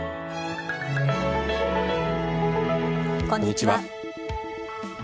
こんにちは。